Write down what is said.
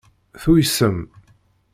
Tuysem.